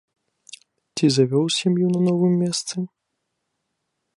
Ці завёў сям'ю на новым месцы?